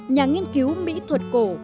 nhà nghiên cứu mỹ thuật cổ